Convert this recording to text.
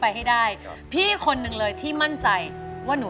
ใช้ครับใช้เพิ่ม